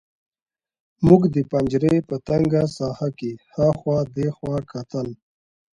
موږ د پنجرې په تنګه ساحه کې هاخوا دېخوا کتل